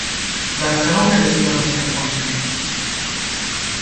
Dar să nu credeți că nu suntem conștienți.